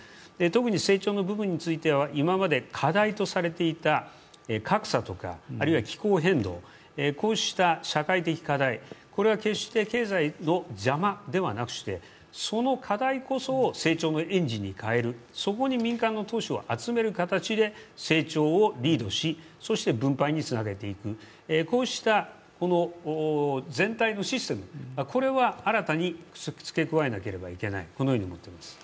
特に成長の部分については今まで課題とされていた格差とかあるいは気候変動、こうした社会的課題、これは決して経済の邪魔ではなくして、その課題こそを成長のエンジンにかえる、そこに民間を集める形で成長をリードし、分配につなげていく、こうした全体のシステム、これは新たに付け加えなければいけないと思っております。